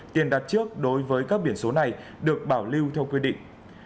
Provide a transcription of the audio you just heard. tiền đặt trước đối với các biển số này được bảo lưu theo quy định